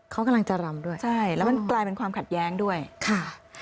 เขากำลังจะรำด้วยใช่แล้วมันกลายเป็นความขัดแย้งด้วยค่ะ